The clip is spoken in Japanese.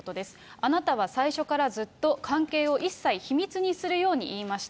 あなたは最初からずっと関係を一切秘密にするように言いました。